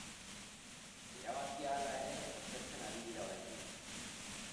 Erabakia, hala ere, aztertzen ari dira oraindik.